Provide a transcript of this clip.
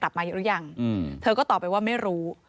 มาเยอะหรือยังเธอก็ตอบไปว่าไม่รู้